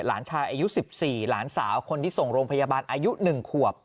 หลานชายอายุ๑๔หลานสาวคนที่ส่งโรงพยาบาลอายุ๑ขวบ